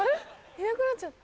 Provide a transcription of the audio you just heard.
いなくなっちゃった。